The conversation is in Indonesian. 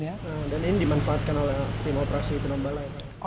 dan ini dimanfaatkan oleh tim operasi tinombala